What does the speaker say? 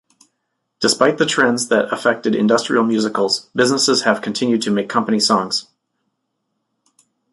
Despite the trends that affected industrial musicals, businesses have continued to make company songs.